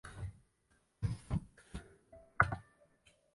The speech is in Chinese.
佐佐木胜彦是日本东京都出身的演员及配音员。